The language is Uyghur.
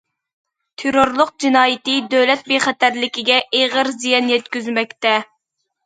تېررورلۇق جىنايىتى دۆلەت بىخەتەرلىكىگە ئېغىر زىيان يەتكۈزمەكتە.